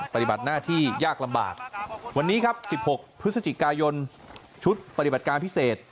ปฏิบัติหน้าที่ยากลำบากวันนี้ครับ๑๖พฤศจิกายนชุดปฏิบัติการพิเศษ